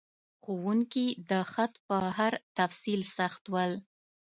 ښوونکي د خط په هر تفصیل سخت ول.